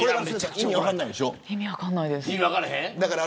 意味分かんないです。